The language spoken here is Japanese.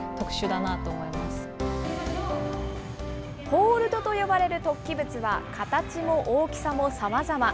ホールドと呼ばれる突起物は、形も大きさもさまざま。